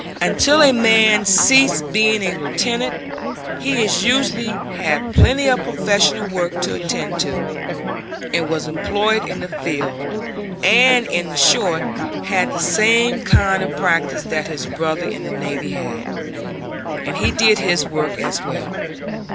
Until a man ceased being a lieutenant he usually had plenty of professional work to attend to and was employed in the field, and, in short, had the same kind of practice that his brother in the navy had, and he did his work as well.